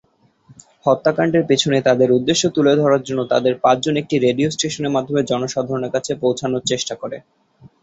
হত্যাকাণ্ডের পেছনে তাদের উদ্দেশ্য তুলে ধরার জন্য, তাদের পাঁচজন একটি রেডিও স্টেশনের মাধ্যমে জনসাধারণের কাছে পৌঁছানোর চেষ্টা করে।